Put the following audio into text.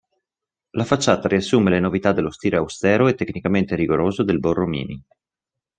La facciata riassume le novità dello stile austero e tecnicamente rigoroso del Borromini.